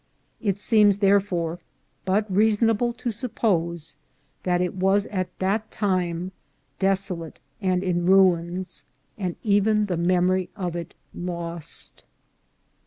It seems, therefore, but reasonable to suppose that it was at that time desolate and in ruins, and even the memory of it lost.